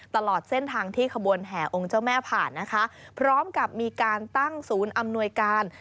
ตลอดเส้นทางที่ขบวนแห่องค์เจ้าแม่ผ่านนะคะพร้อมกับมีการตั้งศูนย์อำนวยการ